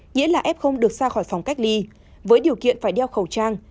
nghĩa là f được ra khỏi phòng cách ly với điều kiện phải đeo khẩu trang